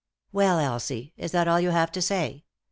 " Well, Elsie, is that all you have to say